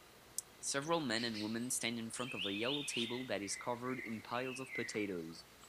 Several men and women stand in front of a yellow table that is covered in piles of potatoes